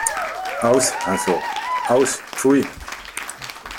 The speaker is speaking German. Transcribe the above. Aus! Hasso Aus! Pfui!